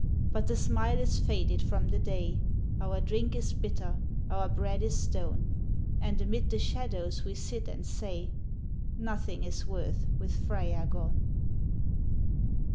But the smile is faded from the day ; Our drink is bitter, our bread is stone And amid the shadows we sit and say :" Nothing is worth with Freya gone."